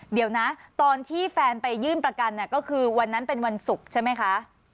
เดี๋ยวนะตอนที่แฟนไปยื่นประกันก็คือวันนั้นเป็นวันศุกร์ใช่ไหมคะ